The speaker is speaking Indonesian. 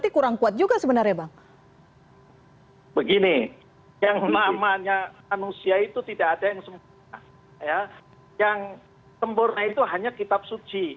itu hanya kitab suci